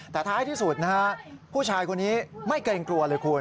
แต่ท้ายที่สุดนะฮะผู้ชายคนนี้ไม่เกรงกลัวเลยคุณ